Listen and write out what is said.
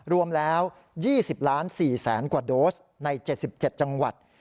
รวมแล้ว๒๐๔๐๐๐กว่าโดสใน๗๗จังหวัด